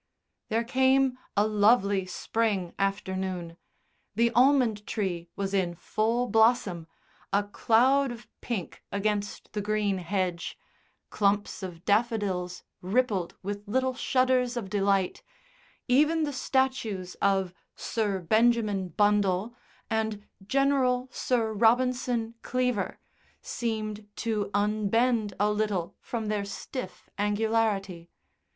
There came a lovely spring afternoon; the almond tree was in full blossom; a cloud of pink against the green hedge, clumps of daffodils rippled with little shudders of delight, even the statues of "Sir Benjamin Bundle" and "General Sir Robinson Cleaver" seemed to unbend a little from their stiff angularity.